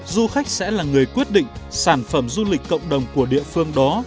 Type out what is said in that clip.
du khách sẽ là người quyết định sản phẩm du lịch cộng đồng của địa phương đó